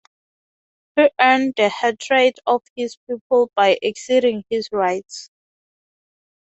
He earned the hatred of his people by exceeding his rights.